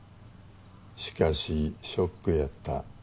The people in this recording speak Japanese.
しかしショックやった。